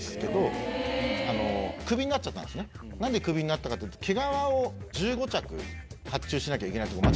なんでクビになったかというと毛皮を１５着発注しなきゃいけないところを。